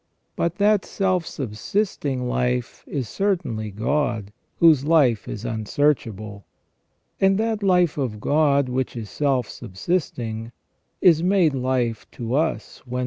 But that self subsisting life is certainly God, whose life is unsearchable. And that life of God, which is self subsisting, is made life to us when 198 ON JUSTICE AND MORAL EVIL.